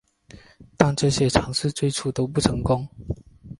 但这些尝试最初都不成功。